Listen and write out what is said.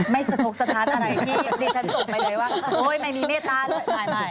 ไม่สะทกสถานอะไรที่ดิฉันส่งไปเลยว่าโอ๊ยไม่มีเมตตาด้วย